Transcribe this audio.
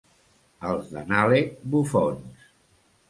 Els de Nalec, bufons.